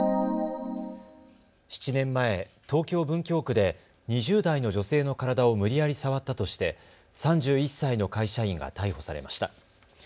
７年前、東京文京区で２０代の女性の体を無理やり触ったとして３１歳の会社員が逮捕されました。